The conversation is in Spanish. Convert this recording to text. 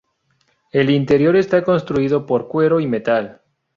El interior está construido por cuero y metal.